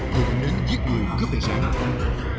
thuộc đến giết người cướp về xã hội